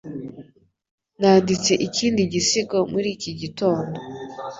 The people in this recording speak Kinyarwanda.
Nanditse ikindi gisigo muri iki gitondo